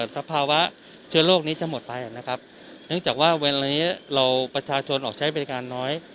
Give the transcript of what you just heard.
สภาวะเชื้อโรคนี้จะหมดไปนะครับเนื่องจากว่าเวลานี้เราประชาชนออกใช้บริการน้อย